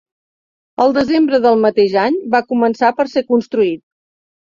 El desembre del mateix any va començar per ser construït.